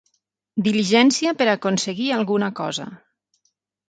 Diligència per aconseguir alguna cosa.